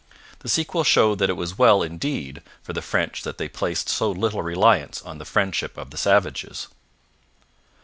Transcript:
The sequel showed that it was well, indeed, for the French that they placed so little reliance on the friendship of the savages.